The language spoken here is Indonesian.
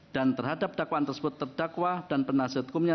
terhadap dakwaan tersebut terdakwa dan penasihat hukumnya